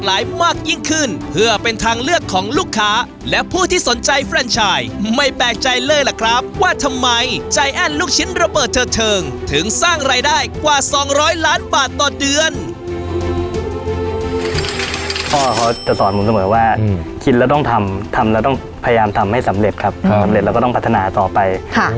และเรื่องที่สามสิงห์น้ำไม่ควรอยู่ฝั่งตรงข้ามกับเตาไฟ